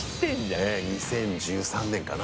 ２０１３年かな？